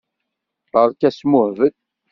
Berka asmuhbel.